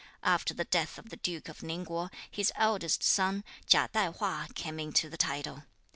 After the death of the duke of Ning Kuo, his eldest son, Chia Tai hua, came into the title.